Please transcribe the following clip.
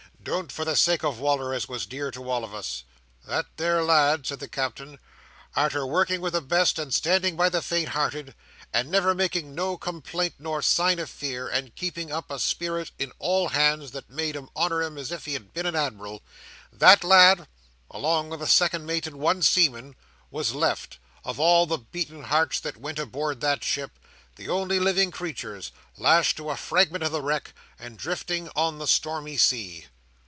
Don't, for the sake of Wal"r, as was dear to all on us! That there lad," said the Captain, "arter working with the best, and standing by the faint hearted, and never making no complaint nor sign of fear, and keeping up a spirit in all hands that made 'em honour him as if he'd been a admiral—that lad, along with the second mate and one seaman, was left, of all the beatin' hearts that went aboard that ship, the only living creeturs—lashed to a fragment of the wreck, and driftin' on the stormy sea."